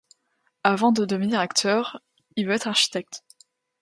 Avant de devenir acteur, il veut être architecte.